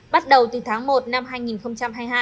bắt đầu từ tháng một năm hai nghìn hai mươi hai